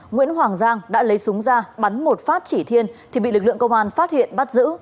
nguyễn hoàng giang đã lấy súng ra bắn một phát chỉ thiên thì bị lực lượng công an phát hiện bắt giữ